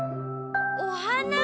おはな？